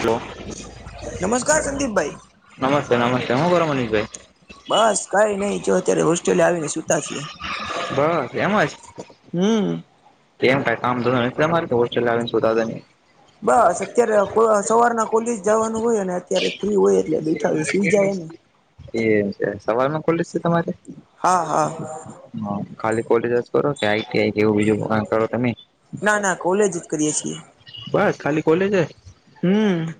Hello નમસ્કાર સંદીપભાઈ નમસ્તે નમસ્તે હું કરો મનીષભાઈ? બસ કઈ નઈ જો અત્યારે હોસ્ટ્રેલે આવીને સુતા છે. બસ એમ હમ. એમ ક કામ ધોરણ તેમજ હોસ્ટેલ સુતા [unintelligible] બસ અત્યારે કો સવારના કોલેજ જવાનું હોય અને અત્યારે ફ્રી હોય [unintelligible] [inaudible] એમ છે, સવાલમાં કોલેજ છે તમારે? હા હા હ ખાલી કોલેજ કરો કે આઈટીઆઈ કે એવું બીજું કરો તમે? ના ના કોલેજ જ કરીએ છીએ [unintelligible] બસ ખાલી કોલેજ જ. હમ.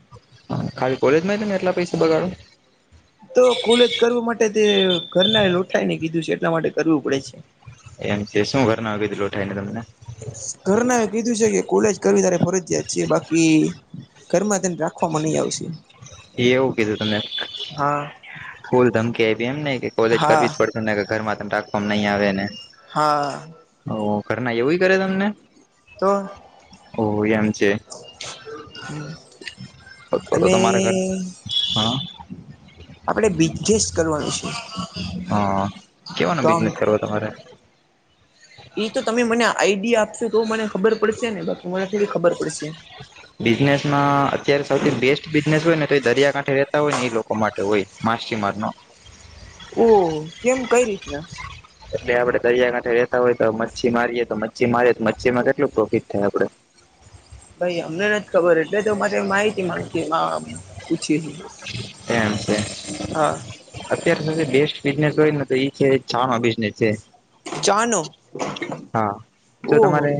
ખાલી કોલેજ માં ને એટલા પૈસા બગાડો. તો કોલેજ કરવા માટે તે ઘરના લોઠાઈ ને કીધું છે એટલા માટે કરવું પડે છે. એમ છે શું ઘર આવી લોઠાય ને તમને? ઘરના એ કીધું છે કે કોલેજ કરવી તારે ફરજિયાયાત છે. બાકી ઘરમાં તેને રાખવામાં નહી આવશે. એ એવું કીધું તમને હા ફૂલ ધમકી આપી એમ ને કે કોલેજ હા કરવી જ પડશે તમને ઘરમાં તને રાખકવામાં નહી આવે ને. હા. હ ઘર ના એવું કરે તમને. તો ઓહ એમ છે. તો અને તમારા ઘર હા આપણે બિઝનેસ કરવાનું છે હા કેવાનો તો આમ બિઝનેસ કરવા તમારે એ તો તમે મને આઈડિયા આપશો તો મને ખબર પડશે ને બાકી મને થોડી ખબર પડશે. બિઝનેસ માં અત્યારે સૌથી બેસ્ટ બિઝનેસ હોય ને તો એ દરિયાકાંઠે રેતા હોય ને એ લોકો માટે હોય માછીમાર નો ઓ કેમ કઈ રીતના એટલે આપણે દરિયાકાાંઠેતા હોય તો મચ્છી મારીએ તો મચ્છી મારીએ તો મચ્છીમાં કેટલું પ્રોફિટ થાય આપડે. ભાઈ અમને નથી ખબર એટલે તો મારે માહિતી મગતી હ એમ છે. હા અત્યાર સુધી બેસ્ટ બિઝનેસ હોય ને તો એ છે ચાહ ન બિઝનેસ છે. ચાનો હા જો ઓહો તમારે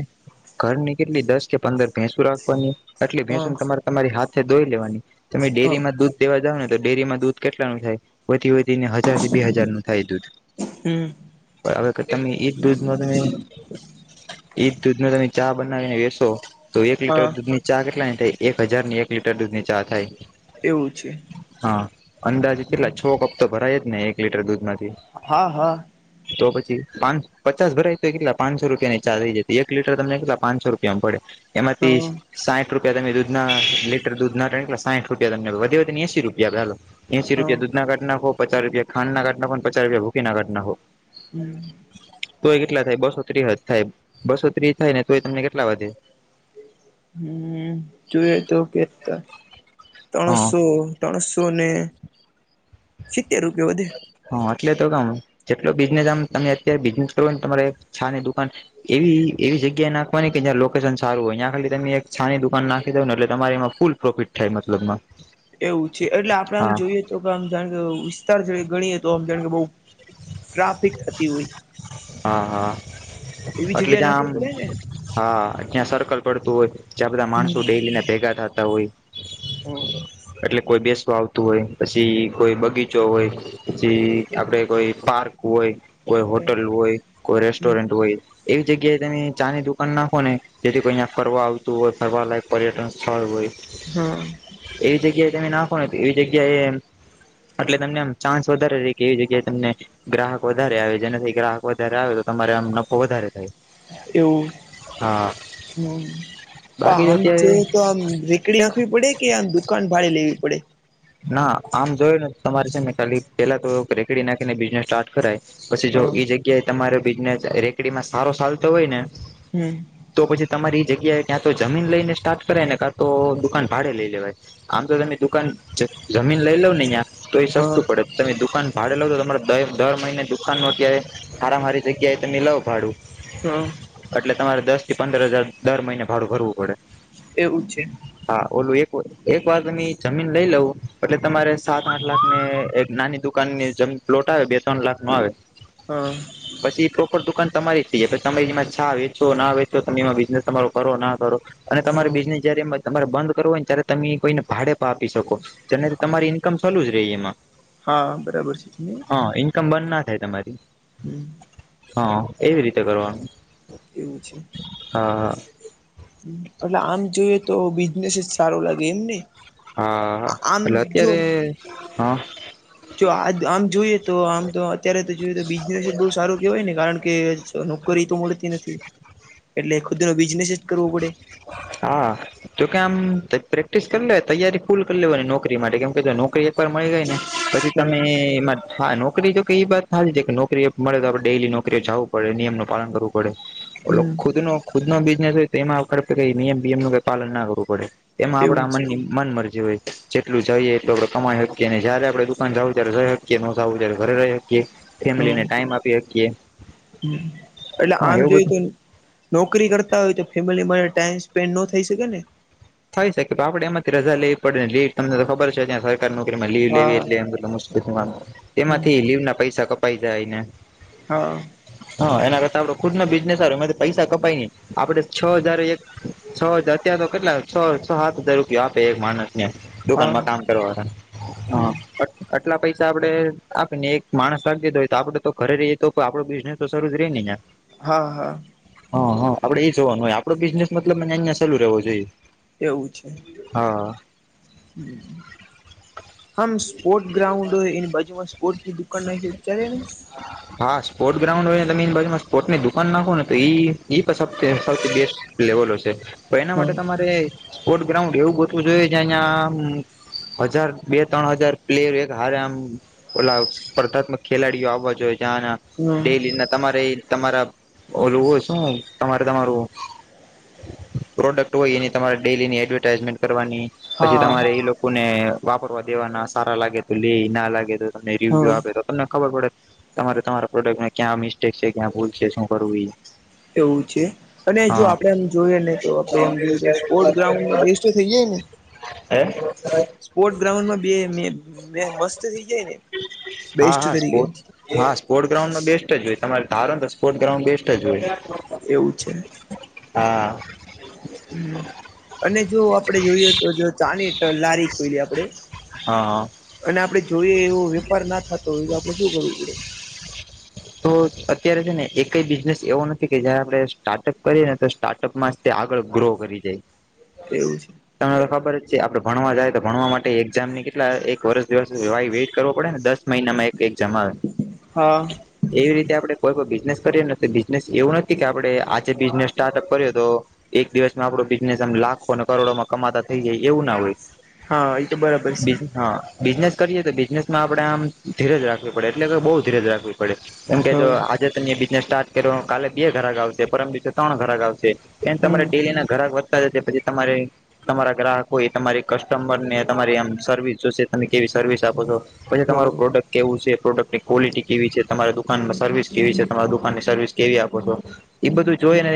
ઘરની કેટલી દસ કે પંદર ભેંસુ રાખવાની આટલી હા ભેંસુ તમારે તમારી હાથે ધોઈ લેવાની તમે હા ડેરીમાં દૂધ દેવા જાવ ને તો ડેરીમાં દૂધ કેટલાનું થાય વધી વધીને હજા હજાર થી બે હજાર નું થાય દૂધ હમ પણ હવે એજ દૂધ ન તમે ઈદ દૂધ નુ તમે ચા બનાવીને વેસો તો એક લીટર હા દૂધ ની ચા કેટલાની થાય એક હજાર ની એક લીટર દૂધ ની ચા થાય. એવું છે. હા અંદાજ કેટલા છ કપ તો ભરાય જ ને એક લીટર દૂધમાંથી. હા હા. તો પછી પાંચ પચાસ ભરાય તો કેટલા પાંચસો રૂપિયા ની ચાર થઈ જતી એક લીટર તમને કેટલા પાંચસો રૂપિયામાં પડે. એમાંથી હા સાહીઠ રૂપિયા તમે દૂધ ના લીટર દૂધ ના કેટલા સાઠ રૂપિયા ત વધી એસી રૂપિયા એસી હા રૂપિયા દૂધના કાઢી નાંખો પચાસ રૂપિયા ખાંડ ના ઘાટના પણ પચ રપિયા ભૂખકી ના ઘાટનાખો. હમ. તોય કેટલા થાય બસો ત્રીહજ થાય બસો ત્રીસ થાય ને તોય તમને કેટલા વધે હમ જોઈએ તો કે હા ત્રણસો ત્રણસો ને સિત્તેર રૂપિયા વધ હા એટલે તો કામ જેટલો બિઝનેસ આમ તમે અત્યારે બિઝનેસ કરો ને તમારે છા ની દુકાન એવી એવી જગ્યા નાખવાની કે જં લોકેશન સારું હોય ત્યાં ખાલી તમે એક છાની દુકાન નાખી દઉ ને એટલે તમારે એમાં ફૂલ પ્રોફિટ થાય મતલબમાં એવું છે એટલે આપડે આમ હા જોઈએ તો કે આમ જા કે ત ગણીએ તો આમ જાણ કે બહુ ટ્રાફિક થતી હોય. હા હા એવી એટલે જગ્યા જ્યાં નાખવી પડે આમ ને હા ત્યાં સર્કલ પડતું હોય જ્યાં બધા હમ માણસો ડેલીને ભેગા થતા હોય. એટલે કોઈ બેસવા આવતું હોય પછી કોઈ બગીચો હોય. પી આપડે કોઈ પાર્ક હોય, કોઈ હમ હોટલ હોય, કોઈ હમ રેસ્ટોરન્ટ હોય એવી જગ્યાએ તમે ચા ની દુકાન નાખો ને જેથી કોઈ અં ફરવા આવતું હોય ફરલાયક પર્યટન સ્થળ હોય. હા. એવી જગ્યાએ તમે નાખો તો એવી જગ્યા એ એટલે તમને આમ ચાન્સ વધારે ર કે એવી જગ્યાએ તમને ગ્રાહક વધારે આવે જેનાથી ગ્રાહક વધારે આવે તો તમારે આમ નફો વધારે થાય એવું હા હમ્મ પણ બાકી આમ જો અત્યારે તો આમ રીક નાખવી પડે કે આ દુકાન ભાેવી પડે. ના આમ જોયું ને તમારે છે ને ખાલી પેલા તો રેકડી નાખીને બિઝનેસ સ્ટાર્ટ કરાય. પછી જો હા એઈ જગ્યાએ તમારો બિઝનેસ રેકડીમાં સારો ચાલતો હોય ને હમ. તો પછી તમારી એ જગ્યાએ ક્યાં તો જમીન લઈને સ્ટાર્ટ કરાય ને ક્યાં તો દુકાન ભાડે લઈ લેવાય. આમ તો તમે દુકાન જમીન લઈ લ ને તો એ હા સસ્તું પડે. તમે દુકાન ભાડે લાવ છો તમારે દર મહિને દુકાન નો અ્યારે હાર મા હારી જગ્યાએ તને લવ ભાડું હમ્મ એટલે તમારે દસ થી પંદર હજાર દર મહિને ભાડું ભરવું પડે એવું છે. હા ઓલું એક એક વાર ત જમીન લઈ લવું એટલે તમારે સાત આઠ લાખ ને એક નાની દુકાન ની જેમ પ્લોટ આવે બે ત્રન લાખ મા આવે હા પછી એ પ્રોપર દુકાન તમારી થથી પ તમે એમાં છા વેચો ના વેચો તમે એમાં બિઝનેસ તમારો કરો ના કરો અને હા તમારે બિઝનેસ જયારે તમારે બંધ કરવો હોયને ત્યારે તમે કોઈને ભાડે પાવ પી શકો જેને તમારી ઈન્કમ ચાલુ જ રહી એમાં હા બરાબર છે. હા ઇન્કમ બંધ ના થાય તમારી [inaudible] હા એવી રીતે કરવાનું એવું છે. હા હા એટલે આમ જોઈએ તો બિઝનેસ જ સારો લાગે એમને હા હા એલે અત્યારે હા. જો આ આમ જોઈએ તો આમ તો અત્યારે તો જોઈએ તો બિઝનેસ જ બહુ સારું કેહેવાય ને કારણ કે તો નોકરી તો મળતી નથી એટલે ખુદ ન બિઝનેસ જ કરવો પડે હા તો કે આમ પ્રેક્ટિસ કરી લે તૈયારી ફૂલ કરી લેવા ને નોકરી માટે કેમ કે નોકરી એકવાર મળી ગઈ ને પછી તમે એમજ હા નોકરી જો કે એ વાત થા છે કે નોકરી મળે તો આપણે ડેલી નોકરીઓ જવું પડે નિયમનું પાલન કરવું પડે. હમ ખુદ ન ખુદ નો બિઝનેસ હોય તો એમાં કઈ નિયમ બયમ ન કઈ પાલન ના કરવું પડે એમાં એવું આપડા જ મની મન મરજી હોય જેટલું જઈએ એટલું આપણે કમાઈ શકીએ જયારે આપણે દુકાન જાવું ત્યારે રઈ શકીએ નોતાાવું ત્યારે ઘરે રહે યે હમ ટાઈમ આપી હકીએ હમ એટલે આમ એવું જોઈ બધું તો નોકરી કરતા હોય તો ફેમિલીમાં ટાઈમ સ્પેન્ડ ન થઈ શકે ને. થાય શકે તો આપડ એમાંથી રજા લેવી પડેને લેટ તમને તો ખબર છે્યા સર નોકરીમાં લીવ લેવી હા એટલે એ બ મુશ્કેલ હમ તેમાંથી લીવ ના પૈસા કપાઈ જાયને હા હા એના કરતા આપડે ખુદ નો બિઝનેસ આવે એમાંથી પૈસા કપાય નને આપડે છ હજાર એક છ હજાર અત્યાં તો કેટલા છ છ સાત હજાર રૂપિયા આપે એક માણસ ને હા દુકાનમાં કામ કરવાળ હમ આટલા પૈસા આપડે આપી ને એક માણસ લી દીધો હોય તો આપડે તો ખરે રએ તો આપડો બિઝનેસ તો શરૂુ જ રહને યા. હા હા. હા હા આપડે એ જોવાનું હોય આપડો બિઝને મલબ મને અહંયા ચાલુ રહેવો જોઈએ એવું છે હા હમ્મ આમ સ્પોર્ટ ગ્રાઉન્ડ હોય એની બાજુમાં સ્પોર્ટસની દુકાન નાખે ચાલે નહી હા સ્પોર્ટ્સ ગ્રાઉડ હોય ને તમે એની બાજુમાં સ્પોર્ટસની દુકાન નાખો ને તો ઈ એ પણ સૌથી બેસ્ટ લેવલો છે તો એના માટે તમારે સ્પોર્ટ ગ્રાઉન્ડ એવું ગોટવું જોયે જયા અયા હજાર બે ત્રણ હજાર પ્લેયર એક હારે આમ ઓલા સ્પર્ધાત્મક ખેલાડીઓ આવવા જોઈએ જ્યા હમ ડેલી ના તમારે તમારા ઓલું હોય શું તમારે તમારું પ્રોડક્ટ હોય એની તમારે ડેલી ની એડવર્ટાઈઝમેન્ટ કરવાની પછી હા તમારે એ લો કોને વાપરવા દેવાના સારા લાગે તો લે ના લાગે તો તમને રિવ્યુ હા આપે તો તમને ખબર પડે તમારે તમારા પ્રોડક્ટને ક્યાં મિસ્ટેક છે, ક્યાં ભૂલ છે, શું કરવું ઈ એવું છે, અને જો આપડે એમ જોઈએ ને તો આપડે એમ જે રીતે સ્પોર્ટ ગ્રાઉન્ડમાં બેસ્ટ થઈ જાય ને હે સ્પોર્ટ ગ્રાઉન્ડમાં બે મે મે મસ્ત થઈ જાય ને હા બેસ્ટ હા તરીકે સ્પોર્ટ હા સ્પોર્ટસ ગ્રાઉન્ડમાં બેસ્ટ જ હોય તમારે ધારો તો સ્પોર્ટ્ ગ્રાઉન્ડ બેસ્ટ જ હોય એવું છે. હા. હમ. અને જો આપડે જોઈએ તો જો ચાની લારી ખોઈલી આપડે હા અને આપડે જોઈએ એવો વેપારના થતો હોય તો આપડે શું કરવું પડે? તો અત્યારે છે, ને એકેય બિઝનેસ એવો નથી કે જયારે આપણે સ્ટાર્ટઅપ કરીએ ને તો સ્ટાર્ટઅપમા જ તે આગળ ગ્રો કરી જાય એવું છે. તમને તો ખબર જ છે, આપડે ભણવા જાય તો ભણવા માટે એક્ઝામની કેટલા એક વર્ષ દિવસ વા વેઇટ કરવો પડે ને દસ મહિનામાં એક એક જમા હા. એવી રીતે આપડે કોઈ પણ બિઝનેસ કરીએ ને તો બિઝનેસ એવું નથી કે આપડે આજે બિઝનેસ સ્ટાર્ટઅપ કર્યો તો એક દિવસમાં આપણો બિઝનેસ એમ લાખો કરોડોમાં કમાતા થઈ જાય એવું ના હોય હા એ તો બરાબર છે બીજી હા બિઝનેસ કરીએ તો બિઝનેસમાં આપણે આમ ધીરજ રાખવી પડે એટલે બહુ ધીરજ રાખવી પડે કેમ કે જો હા આજે ત બિઝનેસ સ્ટાર્ટ કર્યો કાલે બે ઘરાક આવશે પરમ દિવસે ત્રણ ઘરાક આવશે એમ તમારે હમ ડેલીના ગાહક વધતા જ પછી તમારે તમારા ગ્રાહક હોય તમારે કસ્ટમરને તમારી આમ સર્વિસ જોશે તમે કેવી સર્વિસ આપો છો પછી હા તમારું એવું પ્રોડક્ટ કેવું છે, પ્રોડક્ટની ક્વોિટી કેવી છે. તમારા દુકાનમાં સર્વિસ કેવી છે, તમારા દુકાનની સર્વિસ કેવી આપો તો એ બધું જોઈ છે ને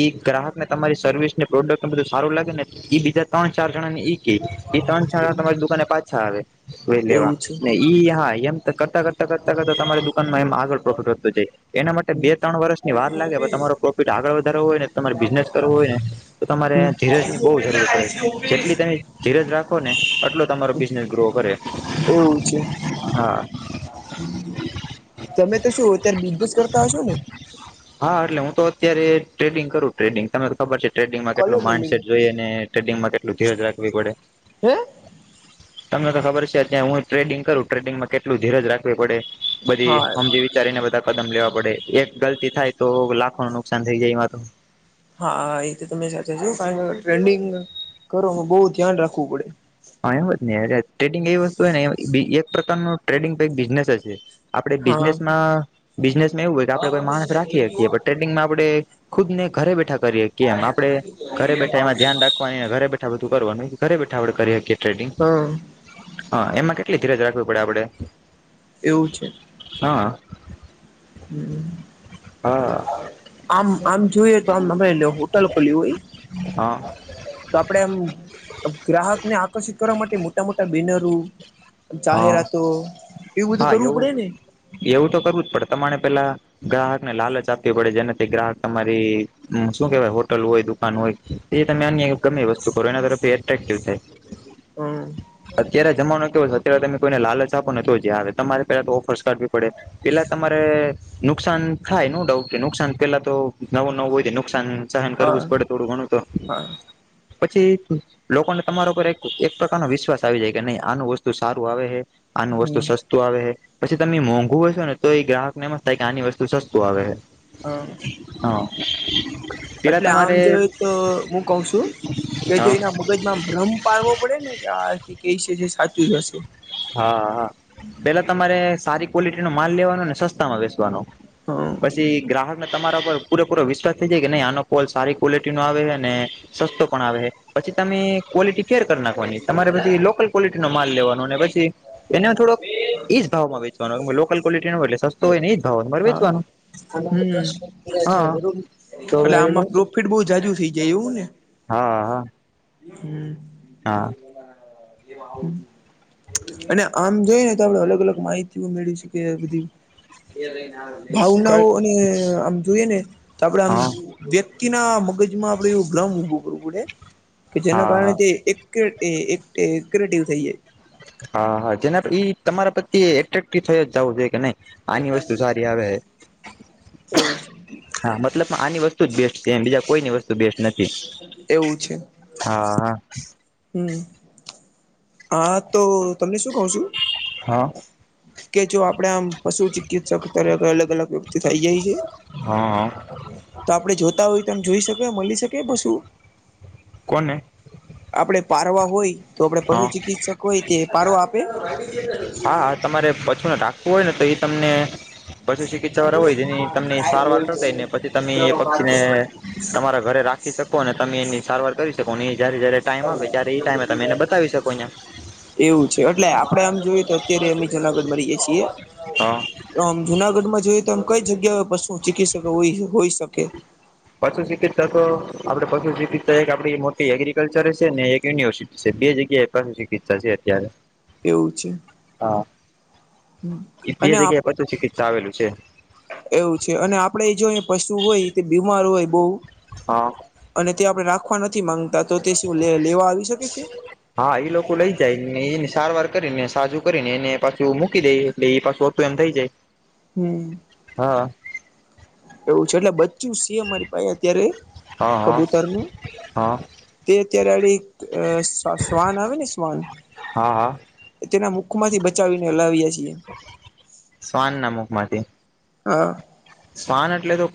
ઈ ગ્રાહકને તમારી સર્વિસને પ્રોડક્ટને બધું સારું લાગે ને ઈ બીજા ત્રણ ચાર જણા ને એક ઈ કેય ત્રણ જણા તમારી દુકાને પાછા આવે વે લેવા નહી ઈ હા એમ કરતાં કરતાં કરતાં કરતાં તમારી દુકાનમાં એમ આગળ પ્રોફિટ વધતો જાય એના માટે એવું બે ત્રણ વર્ષની વાર લાગે પણ તમારો પ્રોફિટ આગળ વધારવો હોય ને તમારે બિઝનેસ કરવો હોય ને તો તમારે ધીરજની બોવ જરૂર પડે [inaudible] ટલી તમે ધીરજ રાખોને ઓટલો તમારો બિઝનેસ ગ્રો કરે એવું છે. હા તમે તો શું અત્યારે બિઝનેસ કરતા હશો ને? હા એટલે હું તો અત્યારે ટ્રેડિંગ કરું ટ્રેડિંગ તમે ખબર છે, ટ્રેડિંગમાં કલર કેટલું ટ્રેડિંગ માઇન્ડસેટ જોઈએ ને ટ્રેડંગમાં કેટલું ધીરજ રાખવી પડે હે તમને તો ખબર છે ત્યા હું ટ્રેડિંગ કરું ટ્રેડિંગમાં કેટલું ધીરજ રાખવી પડે બધી હા સમજી વિચારીને બધા કદમ લેવા પડે એક ગલતી થાય તો લાખો નું નુકસાન થઈ જાય એમાં તો હા એ તો તમે સાછા છો કારણ કે ટ્રેન્ડિંગ કરો બહ ધ્યાન રાખવું પડે હા એમ જ ને એટલે ટ્રેડિંગ એવી વસ્તુ ને એક પ્રકાર ન ટ્રેડિંગ બિઝનેસ જ આપણે હા. બિઝનેસમાં બિઝનેસમાં એવું હોય કે આપડણે હા કોઈ માણસ રાખી હકીએ પણ ટ્રેડિંગમાં આપણે ખુદ ને ઘરે બેઠા કરીએ કેમ આપડે ઘરે બેઠા એમાં ધ્યાન રા ઘરે બેઠા બધું કરવાનું ઘરે બેઠા આપડે કરી હકીએ ટ્રેડિંગ હા એમાં કેટલી ધીરજ રાખવી પડે આપડે એવું છે. હા. હમ. હા આમ આમ જોયે તો અમે લયો હોટેલ ખોલી હા હોય તો આપડે આમ ગ્રાહક ને આકર્ષિત કરવા માટે મોટા મોટા બેિનરો હા જાહેરાતો એવું બધું કરવું પડે ને એવું તો કરવું જ પડે તમારે પેલા ગ્રાહક ને લાલચ આપવી પડે જેનાથી ગ્રાહક તમારી હમ્મ શું કેહેવાય હોટલ હોય દુકાન હોય એ તમે અન્ય ગમે વસ્તુ કરો એના તરફથી એટ્રેક્ટિવ થાય [inaudible] હમ્મ અત્યારે જમાનો કેવો છે અત્યારે તમે કોઈને લાલચ આપો ને તો જ આવે તમારે પેલા તો ઓફરસાઢવી પડે પેલા તમારે નુકસાન થાય નો ડાઉટ કે નુકસાન પેલા તો નવો નવું હોય નુકસાન સહન કરવું જ હા પડે થોડું ઘણું તો હા પછી લોકોને તમારા પર એક એક પ્રકાર નો વિશ્વાસ આવી જાય કે નહી આનું વસ્તુ સારું આવે આનું વસ્તુ હમ સસ તૂ આવે હે પછી તમે મોંઘું હશો ને તો એ ગ્રાહક નેમસ્ થાય કે આની વસ્તુ સસ્તું આવે હા હા પેલા એટલે આમ તમારે જોઈ તો હું કઉ છું કે જો હા એના મગજમાં ભ્રમ પારવો પડે ને કે આથી ક છે સાચું જ હશે હા હા પેલા તમારે સારી ક્વોલિટીનો માલ લેવાનો ને સસ્તામાં વસવાનો હા પછી ગ્રાહક તમારા પરર પૂરેપૂરો વિશ્વાસ થઇ જાય કે નહી આનો કોલ સારી ક્વોલિટી નો આવે ને સસ્તો પણ આવે પછી તમે ક્વલિટી ફેર કરી નાખવાની તમારે પછી લોકલ ક્વોલિટી નો માલ લેવાનો અને પછી એ થોડો ઈજ ભાવમાં વેચવાનો લોલ ક્વોલટી આવે એટલે સસ્તું તો એ ઈજ ભાવ માર હા વેચવાનું હા તો આમાં પ્રોફિટ બહુ જાજુ થઇ જાય એવું ને હા હા હમ્મ હા અને આમ જોઈને આપડે અલગ અલગ માહિતી મેળવી શકે બધી ભાવ ના કઈ હો અને આમ જોઈએ ને તો આપડે આમ હા વ્યક્તિ ના મગજ માં આપડે એવું ભ્રમ ઉભો કરવું પડે કે હા જેના કારણે હા જે એક ક્ર્રેટિવ થઈ જાય હા હા જેના ઈ તમારા પ્રતે એટ્રેક્ટ થયો જવું જોઈએ કે નહી આની વસ્તુ સારી આવે એવું છે હા મતલબ આની વસ્તુ જ બેસ્ટ છે એ બીજા કોઈની વસ્તુ બેસ્ટ નથી હા હા હમ્મ હા તો તમને શું કઉ છું હા કે જો આપણે આમ પશુ ચિકિત્સક ત અલગ અલગ વ્યક્તિ થઇ જાય યે યે હા હ તો આપડે જોતા હોય તો એમ જોઈ શકે મળી શકે બસુ કોને આપડે પારવા હોય તો આપણે હા પશુ ચિકિત્સક હોય તે પારવા આપે હા તમારે પાશુ ને રાખવું હોય ને તો એ તમને પશુ ચિકિત્સા વાળા હોય તેની તમને સારવાર કર દાય ને પછી તમે એ પક્ષી ને. તમારા ઘરે રાખી શકો અને તમે એની સારવાર કરી શકો એ જયારે જયારે ટાઈમ આવે ત્યારે એ ટાઈમે તમે એને બ. પૈસાકોઈમ [inaudible] એવું છે એટલે આપડે આમ જોયએ તો અત્યારે અમે જુનાગઢ મળી જયસે એમ હા તો આમ જુનાગઢમાં જોયએ તો આમ કઈ જગ્યાએ પશુ ચિકિત્સ હોઈ શકે પશુ ચિકિતસકો તો આપડે પશુ ચિકિતસ્ક એક આપડી મોટી એગ્રિકલ્ચર છે ને એક યુનિવર્સિટી છે બે જગ્યાએ કશું ચિકિત્સા છે અત્યારે એવું છે હા બે અને જગ્યાએ પશું ચિકિત્સા આવેલું છે. એવું છે અને આપડે જો પશુ હોય તે બીમાર હોય બહુ. હા. અને તે આપડણે રાખવા નથી માંગતા તો તે શું લે લેવા આવી શકે છે. હા એ લોકો લઈ જાય ને એને સારવાર કરી ને સાજું કરીને એને પાછું મૂકી દે એટલે એ પાછું ઓતું એમ થઈ જાય. હ [unintelligible] હું. હા. એવું છે એટલે બચ્ચું છે અમારી પાસે અત્યારે હા હા કબૂતરનું હા તે અત્યારેડી એ શ્વાન આવેને શ્વાન. હા હા તેના મુખમાંથી બચાવીને લાવીયા છી. શ્વાન ના મુખ માંથી. હા. શ્વાન એટલે તો.